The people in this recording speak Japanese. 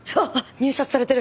入札されてる！